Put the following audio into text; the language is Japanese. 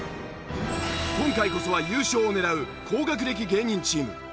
今回こそは優勝を狙う高学歴芸人チーム。